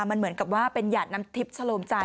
มันเหมือนกับว่าเป็นหยาดน้ำทิพย์ชะโลมจันท